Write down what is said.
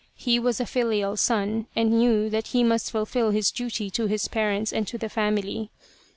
He was a filial son, and knew that he must fulfil his duty to his parents and to the family.